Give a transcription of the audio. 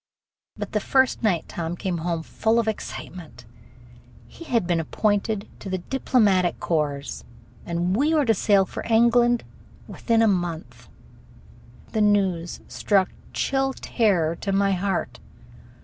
But the first night Tom came home full of excitement. He had been appointed to the diplomatic corps, and we were to sail for England within a month! The news struck chill terror to my heart.